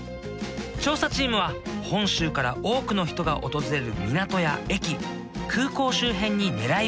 調査チームは本州から多くの人が訪れる港や駅空港周辺に狙いを絞った。